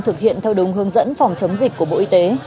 thực hiện theo đúng hướng dẫn phòng chống dịch của bộ y tế